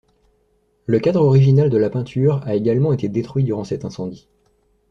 Le cadre original de la peinture a également été détruit durant cet incendie.